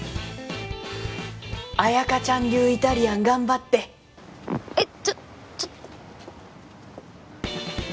綾華ちゃん流イタリアン頑張ってえっちょっちょっ